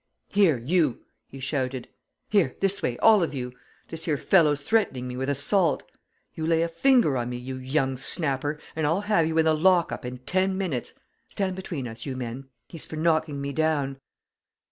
"Here, you!" he shouted. "Here, this way, all of you! This here fellow's threatening me with assault. You lay a finger on me, you young snapper, and I'll have you in the lock up in ten minutes. Stand between us, you men! he's for knocking me down.